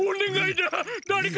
だれか！